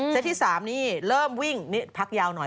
ที่๓นี่เริ่มวิ่งนี่พักยาวหน่อย